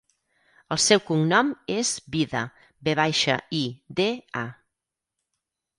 El seu cognom és Vida: ve baixa, i, de, a.